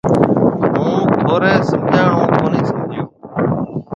هُون ٿوري سمجھاڻ هون ڪونِي سمجھيَََو۔